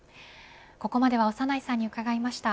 ここまでは長内さんに伺いました。